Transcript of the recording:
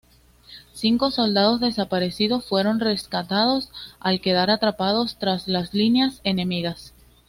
Cinco soldados desaparecidos fueron rescatados al quedar atrapados tras las líneas enemigas.